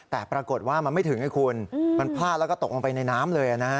แต่ปรากฏว่ามันไม่ถึงไอ้คุณมันพลาดแล้วก็ตกลงไปในน้ำเลยนะฮะ